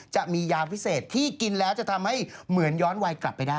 จะมียาพิเศษที่กินแล้วจะทำให้เหมือนย้อนวัยกลับไปได้